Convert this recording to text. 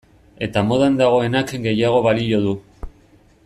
Eta modan dagoenak gehiago balio du.